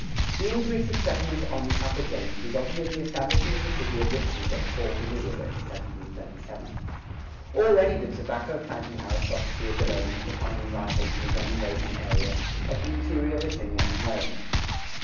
[108:1] The increase of settlement on the upper James resulted in the establishment of the city of Richmond at the falls of the river in 1737. Already the tobacco planting aristocracy of the lowlands were finding rivals in the grain raising area of interior Virginia and Maryland.